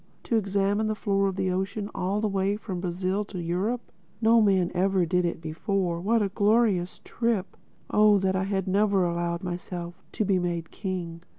To examine the floor of the ocean all the way from Brazil to Europe! No man ever did it before. What a glorious trip!—Oh that I had never allowed myself to be made king!